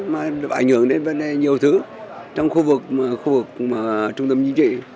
mà ảnh hưởng đến vấn đề nhiều thứ trong khu vực trung tâm dịch trị